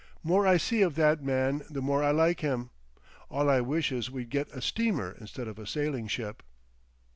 "More I see of that man the more I like him. All I wish is we'd got a steamer instead of a sailing ship."